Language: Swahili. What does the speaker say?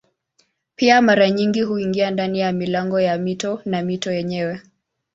Pia mara nyingi huingia ndani ya milango ya mito na mito yenyewe.